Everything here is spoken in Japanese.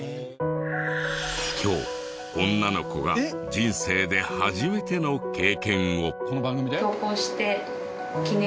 今日女の子が人生で初めての経験を。